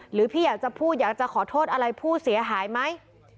พี่อยากจะพูดอยากจะขอโทษอะไรผู้เสียหายไหม